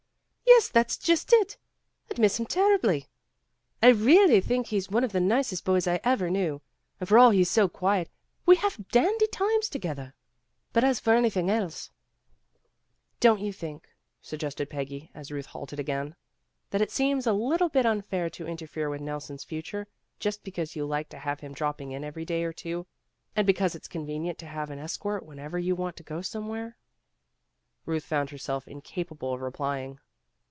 "Yes, that's just it. I'd miss him terribly. I really think he's one of the nicest boys I ever knew, and for all he 's so quiet, we have dandy times together. But as for anything else " 136 PEGGY RAYMOND'S WAY 11 Don't you think," suggested Peggy, as Euth halted again, that it seems a little bit un fair to interfere with Nelson's future, just be cause you like to have him dropping in every day or two and because it's convenient to have an escort whenever you want to go some where 1 '' Euth found herself incapable of replying.